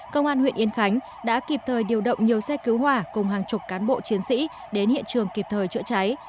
công an huyện yên khánh đã kịp thời điều động nhiều xe cứu hỏa cùng hàng chục cán bộ chiến sĩ đến hiện trường kịp thời chữa cháy